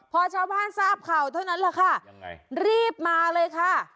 พอชาวบ้านทราบข่าวเท่านั้นแหละค่ะยังไงรีบมาเลยค่ะ